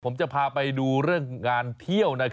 ผมจะพาไปดูเรื่องงานเที่ยว